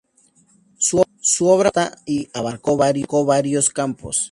Su obra fue vasta y abarcó varios campos.